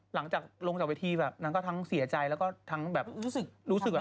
หลังจากลงจากเวทีแบบนางก็ทั้งเสียใจแล้วก็ทั้งแบบรู้สึกอะ